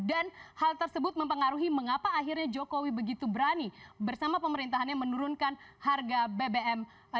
dan hal tersebut mempengaruhi mengapa akhirnya jokowi begitu berani bersama pemerintahannya menurunkan harga